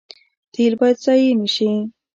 تیل باید ضایع نشي